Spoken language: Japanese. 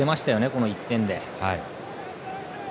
この１点で。